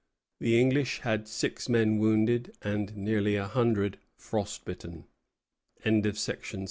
The English had six men wounded and nearly a hundred frost bitten. Knox, II.